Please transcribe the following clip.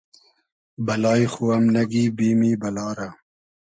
بئلای خو ام نئگی بیمی بئلا رۂ